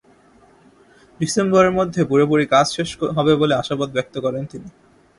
ডিসেম্বরের মধ্যে পুরোপুরি কাজ শেষ হবে বলে আশাবাদ ব্যক্ত করেন তিনি।